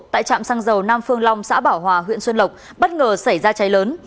tại trạm xăng dầu nam phương long xã bảo hòa huyện xuân lộc bất ngờ xảy ra cháy lớn